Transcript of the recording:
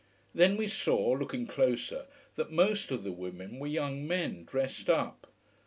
Then we saw, looking closer, that most of the women were young men, dressed up.